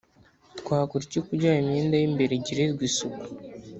Twakora iki kugira ngo imyenda y’ imbere igirirwe isuku?